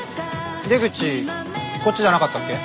出口こっちじゃなかったっけ？